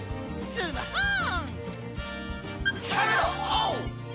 スマホーン！